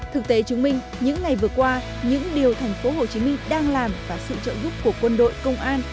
thực tế chứng minh những ngày vừa qua những điều thành phố hồ chí minh đang làm và sự trợ giúp của quân đội công an